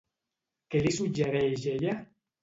Què li suggereix ella?